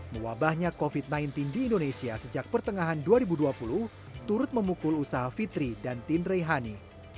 mewabahnya covid sembilan belas di indonesia sejak pertengahan dua ribu dua puluh turut memukul usaha fitri dan tindray hani